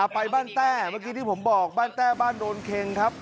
ไปบ้านแต้เมื่อกี้ที่ผมบอกบ้านแต้บ้านโดนเค็งครับ